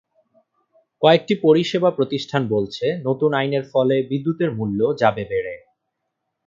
কয়েকটি পরিষেবা প্রতিষ্ঠান বলছে, নতুন আইনের ফলে বিদ্যুতের মূল্য যাবে বেড়ে।